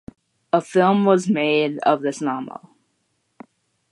A film was made of this novel.